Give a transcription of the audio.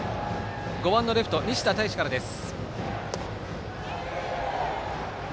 ５番レフト西田大志からです。